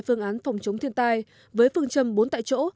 phương án phòng chống thiên tai với phương châm bốn tại chỗ